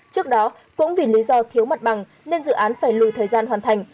trước đó cũng vì lý do thiếu mặt bằng nên dự án phải lùi thời gian hoàn thành